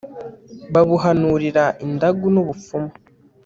babuhanurira indagu n'ubupfumu